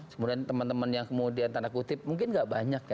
kemudian teman teman yang kemudian tanda kutip mungkin gak banyak ya